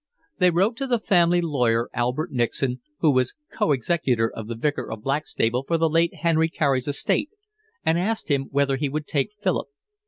They wrote to the family lawyer, Albert Nixon, who was co executor with the Vicar of Blackstable for the late Henry Carey's estate, and asked him whether he would take Philip.